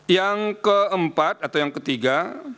yang keempat atau yang ketiga